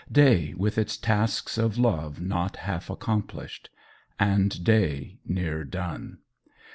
Day with its tasks of love not half accomplished. And Day near done!